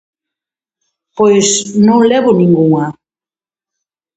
Pois non levo ningunha.